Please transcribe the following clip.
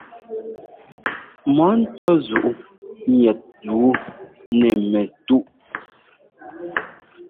Mɔ́ ŋtɔ́ zǔu gniɛt wú nɛ̂ mɛtú.